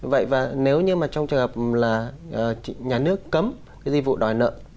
vậy và nếu như trong trường hợp là nhà nước cấm dịch vụ đòi nợ